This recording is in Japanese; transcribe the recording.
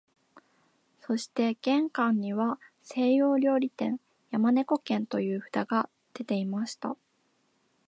そして玄関には西洋料理店、山猫軒という札がでていました